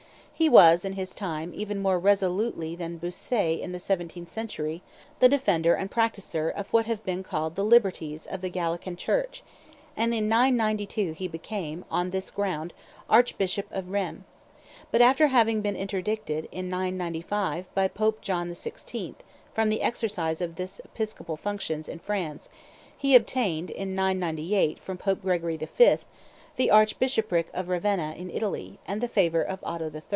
He was in his time, even more resolutely than Bossuet in the seventeenth century, the defender and practiser of what have since been called the liberties of the Gallican Church, and in 992 he became, on this ground, Archbishop of Rheims; but, after having been interdicted, in 995, by Pope John XVI., from the exercise of his episcopal functions in France, he obtained, in 998, from Pope Gregory V., the archbishopric of Ravenna in Italy, and the favor of Otho III.